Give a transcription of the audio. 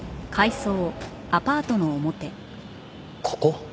ここ？